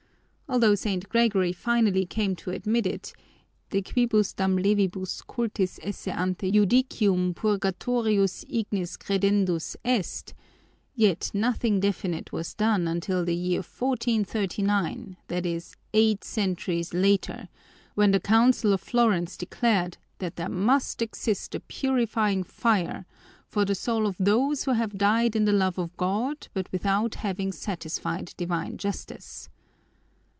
Although St. Gregory finally came to admit it in his de quibusdam levibus culpis esse ante judicium purgatorius ignis credendus est, yet nothing definite was done until the year 1439, that is, eight centuries later, when the Council of Florence declared that there must exist a purifying fire for the souls of those who have died in the love of God but without having satisfied divine Justice.